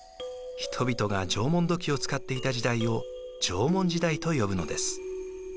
人々が縄文土器を使っていた時代を縄文時代と呼ぶのです。